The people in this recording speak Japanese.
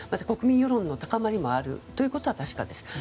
国民世論の高まりもあるということは確かです。